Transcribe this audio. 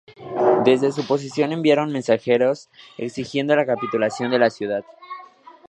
Desde su posición enviaron mensajeros exigiendo la capitulación de la ciudad.